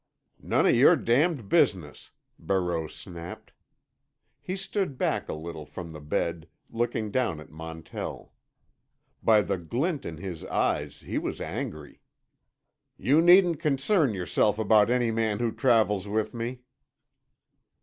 "None of your damned business!" Barreau snapped. He stood back a little from the bed, looking down at Montell. By the glint in his eyes he was angry. "You needn't concern yourself about any man who travels with me."